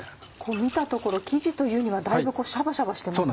見たところ生地というにはだいぶシャバシャバしてますね。